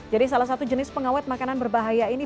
jadi salah satu jenis pengawet makanan berbahaya ini